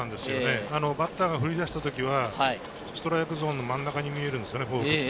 バッターが振り出した時はストライクゾーンの真ん中に見えるんですよね、フォークが。